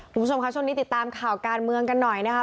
คุณผู้ชมค่ะช่วงนี้ติดตามข่าวการเมืองกันหน่อยนะคะ